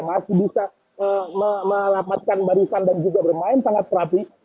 tidak bisa melamatkan barisan dan juga bermain sangat rapi